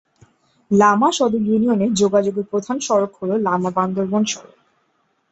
লামা সদর ইউনিয়নে যোগাযোগের প্রধান সড়ক হল লামা-বান্দরবান সড়ক।